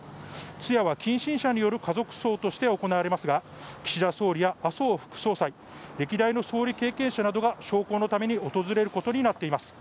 通夜は近親者による家族葬として行われますが岸田総理や麻生副総裁、歴代の総理経験者らが焼香のために訪れることになっています。